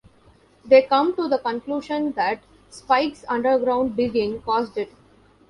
They come to the conclusion that Spike's underground digging caused it.